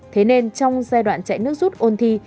thế nên trong giai đoạn chạy nước rút ôn thi